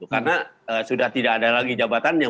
karena sudah tidak ada lagi jabatannya